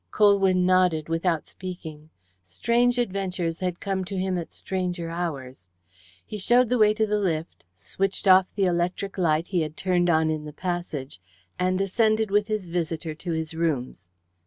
Colwyn nodded without speaking. Strange adventures had come to him at stranger hours. He showed the way to the lift, switched off the electric light he had turned on in the passage, and ascended with his visitor to his rooms.